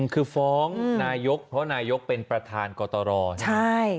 คือฟ้องนายกเพราะนายกเป็นประธานกตรใช่